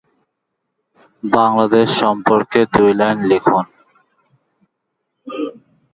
এই অঞ্চলে বিভিন্ন হস্তশিল্প গড়ে উঠেছিল।